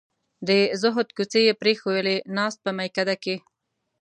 د زهد کوڅې یې پرېښوولې ناست په میکده کې